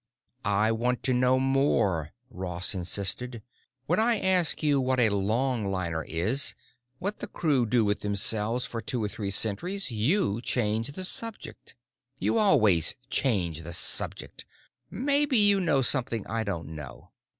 "I want to know more," Ross insisted. "When I ask you what a longliner is, what the crew do with themselves for two or three centuries, you change the subject. You always change the subject! Maybe you know something I don't know.